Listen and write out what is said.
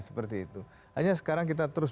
seperti itu hanya sekarang kita terus